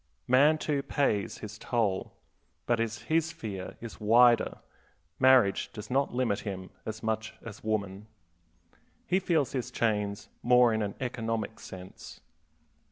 Man, too, pays his toll, but as his sphere is wider, marriage does not limit him as much as woman. He feels his chains more in an economic sense.